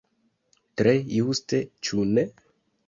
Tre juste, ĉu ne?